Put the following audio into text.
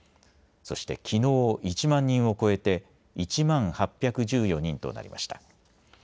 そしてきのう１万人を超えて１万８１４人となりました。